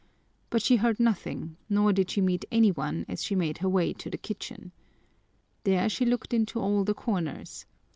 But she heard nothing nor did she meet any one as she made her way to the kitchen. There she looked into all the corners.